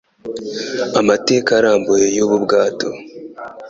amateka arambuye y'ubu bwato